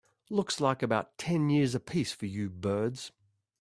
Looks like about ten years a piece for you birds.